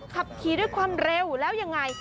ขับขี่ด้วยความเร็วแล้วยังไง